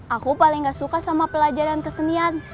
aku paling gak suka sama pelajaran kesenian